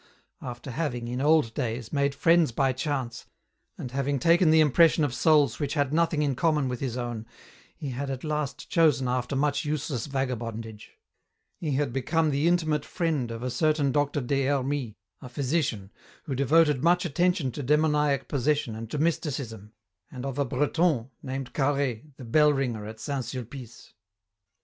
After having, in old days, made friends by chance, and having taken the impression of souls which had nothing in common with his own, he had at last chosen after much useless vagabondage ; he had become the intimate friend of a certain Doctor des Hermies, a physician, who devoted much attention to demoniac possession and to mysticism, and of a Breton, named Carhaix, the bell ringer at St. Sulpice.